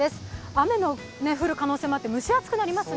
雨の降る可能性もあって蒸し暑くなりますね。